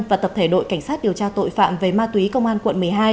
và tập thể đội cảnh sát điều tra tội phạm về ma túy công an quận một mươi hai